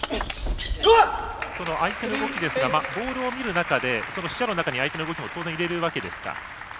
相手の動きですがボールを見る中で視野の中に相手の動きを当然、入れるわけですか。